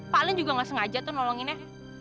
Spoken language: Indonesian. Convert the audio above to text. paling juga nggak sengaja tuh nolonginnya